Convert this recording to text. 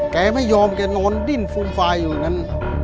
แกไม่ยอมแกนอนดิ้นฟุมฟายอยู่อย่างนั้น